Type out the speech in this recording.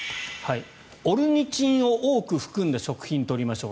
オルニチンを多く含んだ食品を取りましょう。